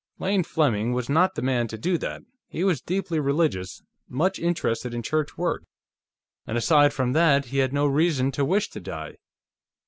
Lane Fleming was not the man to do that. He was deeply religious, much interested in church work. And, aside from that, he had no reason to wish to die.